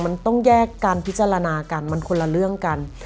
มันต้องแยกกันพิจารณากันมันคนละเรื่องกัน